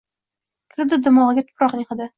Kirdi dimog‘imga tuproqning hidi…